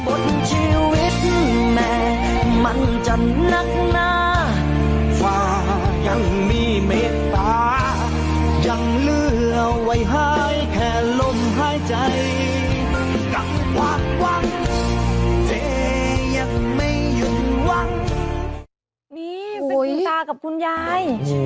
โอ้โฮคุณตากับคุณยัย